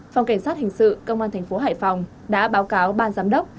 phòng cảnh sát hình sự công an tp hải phòng đã báo cáo ban giám đốc